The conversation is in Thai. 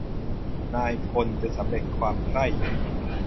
นายพลจะสำเร็จความใคร่.